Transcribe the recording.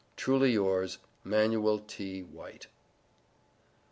Truly Yours, MANUAL T. WHITE.